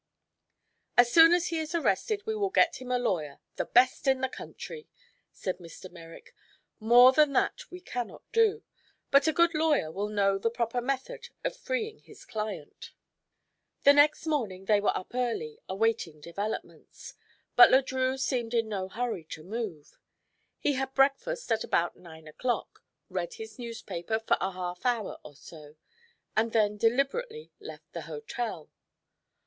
"As soon as he is arrested we will get him a lawyer the best in this country," said Mr. Merrick. "More than that we cannot do, but a good lawyer will know the proper method of freeing his client." The next morning they were up early, awaiting developments; but Le Drieux seemed in no hurry to move. He had breakfast at about nine o'clock, read his newspaper for a half hour or so, and then deliberately left the hotel.